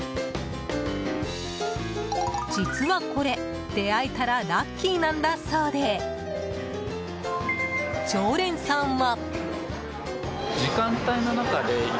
実はこれ、出会えたらラッキーなんだそうで常連さんは。